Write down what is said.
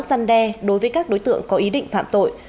săn đe đối với các đối tượng có ý định phạm tội